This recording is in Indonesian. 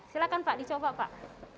silahkan pak dicoba pak